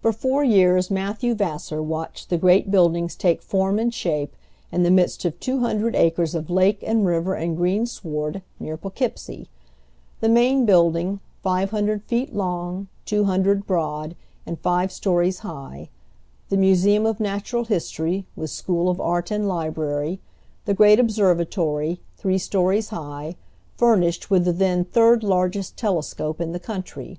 For four years Matthew Vassar watched the great buildings take form and shape in the midst of two hundred acres of lake and river and green sward, near Poughkeepsie; the main building, five hundred feet long, two hundred broad, and five stories high; the museum of natural history, with school of art and library; the great observatory, three stories high, furnished with the then third largest telescope in the country.